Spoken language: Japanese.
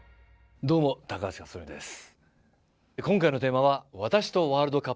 どうも高橋克典です。